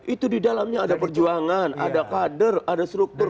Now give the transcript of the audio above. itu di dalamnya ada perjuangan ada kader ada struktur